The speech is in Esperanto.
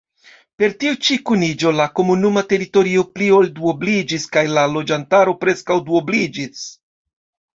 Per tiu-ĉi kuniĝo la komunuma teritorio pli ol duobliĝis kaj la loĝantaro preskaŭ duobliĝis.